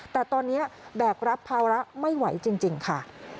แต่ตอนนี้แบกรับภาระไม่ไหวจริงค่ะ